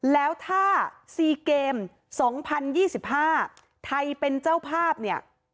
แล้วถ้า๔เกม๒๐๒๕ไทยเป็นเจ้าภาพเนี่ย